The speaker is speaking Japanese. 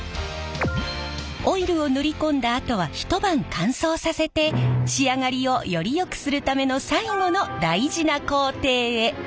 オイルを塗り込んだあとは一晩乾燥させて仕上がりをよりよくするための最後の大事な工程へ。